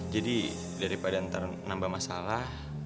jadi daripada ntar nambah masalah